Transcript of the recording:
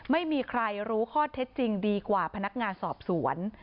ไม่มีใครรู้ข้อเท็จจริงดีกว่าพนักงานสอบสวน